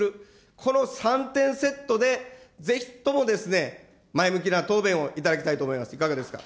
この３点セットでぜひともですね、前向きな答弁をいただきたいと思います。